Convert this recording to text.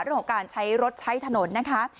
เรื่องของการใช้รถใช้ถนนนะคะ